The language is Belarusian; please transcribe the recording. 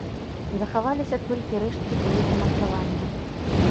Захаваліся толькі рэшткі былых умацаванняў.